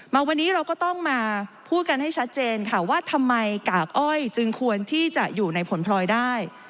มาวันนี้เราก็ต้องมาพูดกันให้ชัดเจนค่ะว่าทำไมกากอ้อยจึงควรที่จะอยู่ในผลพลอยได้